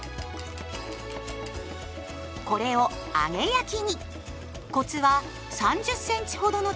これを揚げ焼きに。